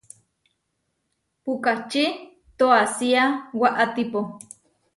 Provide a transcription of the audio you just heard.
Puʼkáči toasía waʼátipo.